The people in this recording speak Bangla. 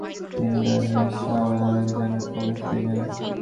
তিনি তার নিজ শহর আলেকজান্দ্রোপোলে ফিরে যান।